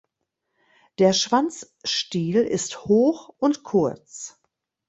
Der Schwanzstiel ist hoch und kurz.